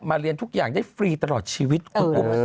เรียนทุกอย่างได้ฟรีตลอดชีวิตคุณอุ๊บ